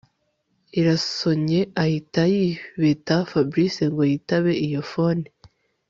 irasonye ahita yibeta Fabric ngo yitabe iyo phone